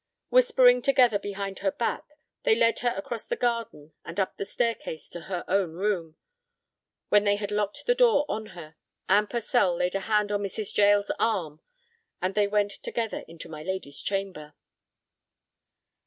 Whispering together behind her back, they led her across the garden and up the staircase to her own room. When they had locked the door on her, Anne Purcell laid a hand on Mrs. Jael's arm, and they went together into my lady's chamber.